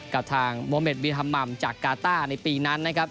กับทางโมเมดบีฮัมมัมจากกาต้าในปีนั้นนะครับ